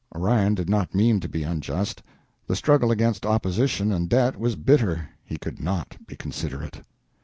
Orion did not mean to be unjust. The struggle against opposition and debt was bitter. He could not be considerate.